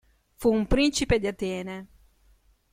Fu un principe di Atene.